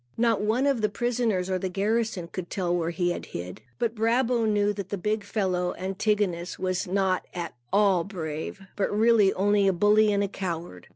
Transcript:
Not one of the prisoners or the garrison could tell where he had hid. But Brabo knew that the big fellow, Antigonus, was not at all brave, but really only a bully and a coward.